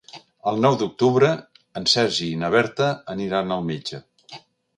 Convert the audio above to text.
El nou d'octubre en Sergi i na Berta aniran al metge.